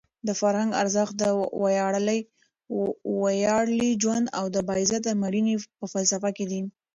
د فرهنګ ارزښت د ویاړلي ژوند او د باعزته مړینې په فلسفه کې دی.